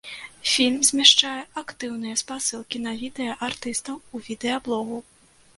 Фільм змяшчае актыўныя спасылкі на відэа артыстаў у відэаблогу.